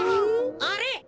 あれ？